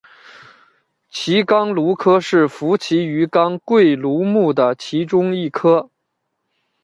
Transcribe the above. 奇肛鲈科是辐鳍鱼纲鲑鲈目的其中一科。